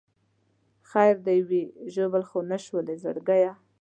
خیر دې وي ژوبل خو نه شولې زړګیه.